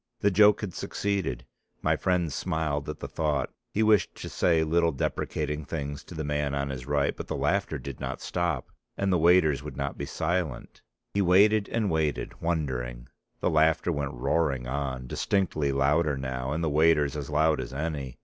The joke had succeeded; my friend smiled at the thought; he wished to say little deprecating things to the man on his right; but the laughter did not stop and the waiters would not be silent. He waited, and waited wondering; the laughter went roaring on, distinctly louder now, and the waiters as loud as any.